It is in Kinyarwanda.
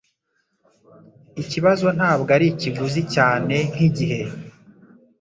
Ikibazo ntabwo ari ikiguzi cyane nkigihe